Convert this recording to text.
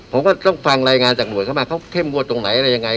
ผมก็ต้องฟังรายงานจากหน่วยเข้ามาเขาเข้มงวดตรงไหนอะไรยังไง